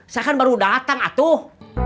saya kan baru datang atuh